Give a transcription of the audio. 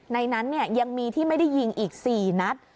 ในนั้นยังมีที่ไม่ได้ยิงอีก๔นัด